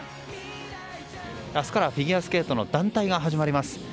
明日からフィギュアスケートの団体が始まります。